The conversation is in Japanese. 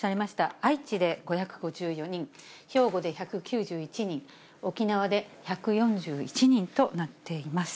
愛知で５５４人、兵庫で１９１人、沖縄で１４１人となっています。